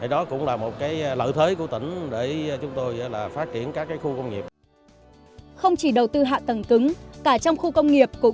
đó cũng là một lợi thế của tổng công nghiệp